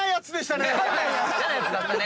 嫌なやつだったね。